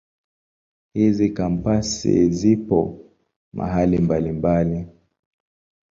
Hizi Kampasi zipo mahali mbalimbali.